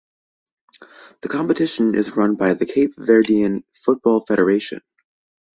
The competition is run by the Cape Verdean Football Federation.